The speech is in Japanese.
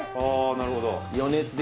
なるほど